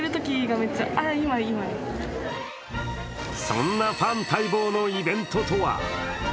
そんなファン待望のイベントとは。